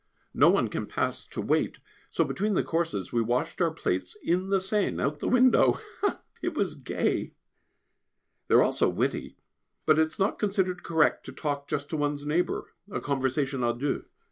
No one can pass to wait, so between the courses we washed our plates in the Seine, out of the window. It was gay! They are all so witty, but it is not considered correct to talk just to one's neighbour, a conversation à deux.